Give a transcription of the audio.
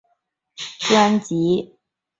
专辑也在爱尔兰的排行榜进入前十位。